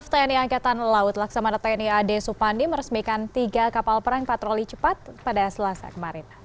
tni angkatan laut laksamana tni ad supandi meresmikan tiga kapal perang patroli cepat pada selasa kemarin